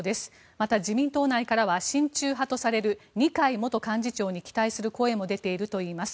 また自民党内からは親中派とされる二階元幹事長に期待する声も出ているといいます。